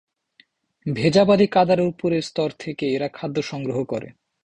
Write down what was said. ভেজা বালি-কাদার ওপরের স্তর থেকে এরা খাদ্য সংগ্রহ করে।